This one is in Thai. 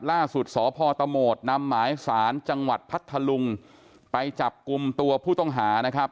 ล่าสุดสพตโหมดนำหมายสารจังหวัดพัทธลุงไปจับกลุ่มตัวผู้ต้องหานะครับ